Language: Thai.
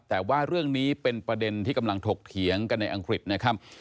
แต่ว่าเรื่องนี้เป็นประเด็นที่กำลังถกเถียงกันในอังกฤษนะครับ